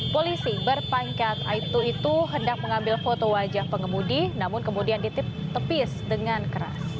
polisi berpangkat aibtu itu hendak mengambil foto wajah pengemudi namun kemudian ditip tepis dengan keras